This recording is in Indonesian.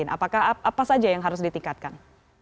apakah apa saja yang harus ditingkatkan